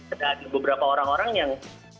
ada beberapa orang orang yang